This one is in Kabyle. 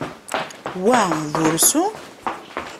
Wa d ursu?